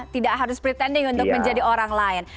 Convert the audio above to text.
tidak harus pretanding untuk menjadi orang lain